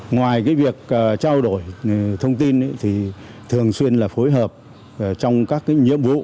ngoài việc trao đổi thông tin thì thường xuyên là phối hợp trong các nhiệm vụ